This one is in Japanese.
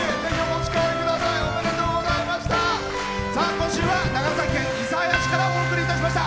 今週は長崎県諌早市からお送りいたしました。